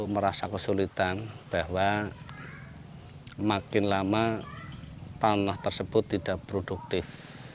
merasa kesulitan bahwa makin lama tanah tersebut tidak produktif